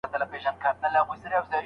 چي بنده سي څوک د مځکي د خدایانو